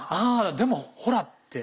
でもほらって。